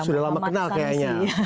sudah lama kenal kayaknya